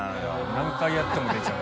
何回やっても出ちゃう。